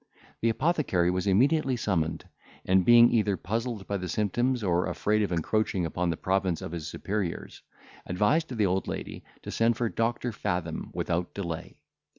The apothecary was immediately summoned; and, being either puzzled by the symptoms, or afraid of encroaching upon the province of his superiors, advised the old lady to send for Doctor Fathom without delay.